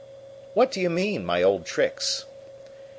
"What do you mean my old tricks?"